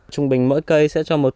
trung bình mỗi cây sẽ cho một cây